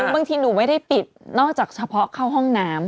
บางทีหนูไม่ได้ปิดนอกจากเฉพาะเข้าห้องน้ำ